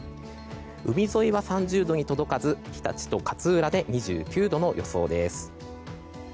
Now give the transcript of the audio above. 海沿いは３０度に届かず日立と勝浦で２９度の予想です。